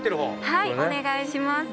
はいお願いします。